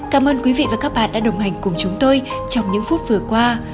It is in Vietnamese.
cảm ơn quý vị và các bạn đã đồng hành cùng chúng tôi trong những phút vừa qua